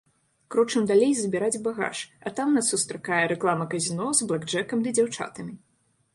Крочым далей забіраць багаж, а там нас сустракае рэклама казіно з блэкджэкам ды дзяўчатамі.